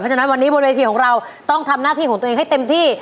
ฉะนั้นวันนี้บนเวทีของเราต้องทำหน้าที่ของตัวเองให้เต็มที่